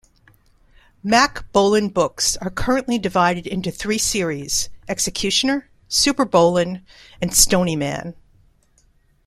Mack Bolan books are currently divided into three series: Executioner, SuperBolan, and Stony Man.